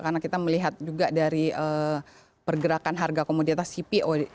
karena kita melihat juga dari pergerakan harga komoditas cpo